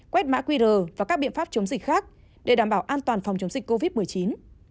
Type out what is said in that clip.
quét mã qr và các biện pháp chống dịch khác để đảm bảo an toàn phòng chống dịch covid một mươi chín